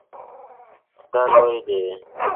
دا لوی دی